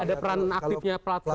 ada peran aktifnya platform